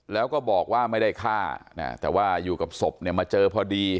แล้วก็บอกว่าไม่ได้ฆ่าแต่ว่าอยู่กับศพเนี่ยมาเจอพอดี